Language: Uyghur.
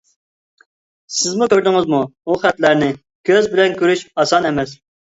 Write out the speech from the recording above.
سىزمۇ كۆردىڭىز ئۇ خەتلەرنى كۆز بىلەن كۆرۈش ئاسان ئەمەس.